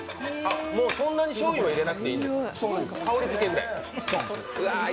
そんなにしょうゆは入れなくていいんだ、香りづけくらい。